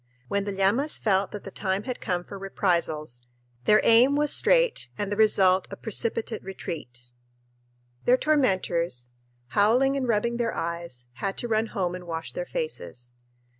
When the llamas felt that the time had come for reprisals, their aim was straight and the result a precipitate retreat. Their tormentors, howling and rubbing their eyes, had to run home and wash their faces.